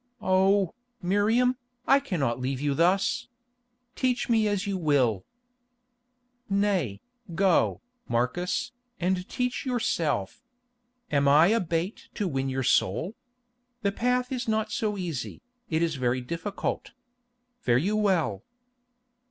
"Oh, Miriam, I cannot leave you thus! Teach me as you will." "Nay, go, Marcus, and teach yourself. Am I a bait to win your soul? The path is not so easy, it is very difficult. Fare you well!"